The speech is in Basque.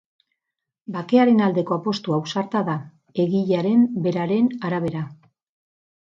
Bakearen aldeko apustu ausarta da, egilearen beraren arabera.